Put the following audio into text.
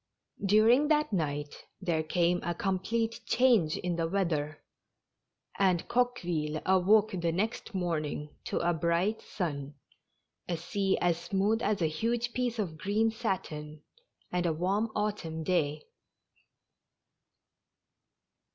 D uring that night there came a complete change in the weather, and Coqueville awoke the next morning to a bright sun, a sea as smooth as a huge piece of green satin, and a warm autumn day.